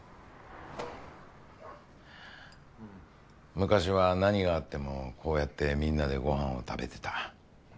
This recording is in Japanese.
昔は何があってもこうやってみんなでご飯を食べてた。